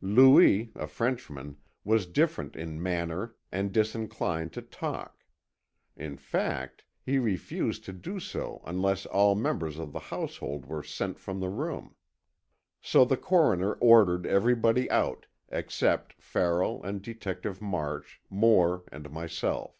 Louis, a Frenchman, was different in manner and disinclined to talk. In fact, he refused to do so unless all members of the household were sent from the room. So the Coroner ordered everybody out except Farrell and Detective March, Moore and myself.